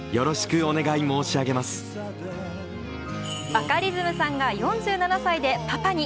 バカリズムさんが４７歳でパパに。